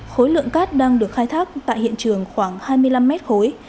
khối lượng cát đang được khai thác tại hiện trường khoảng hai mươi năm mét khối